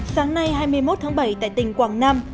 sáng nay hai mươi một tháng bảy tại tỉnh quảng nam